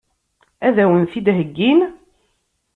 Ad wen-t-id-heggin?